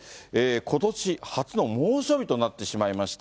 ことし初の猛暑日となってしまいました。